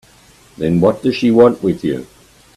Then what does she want with you?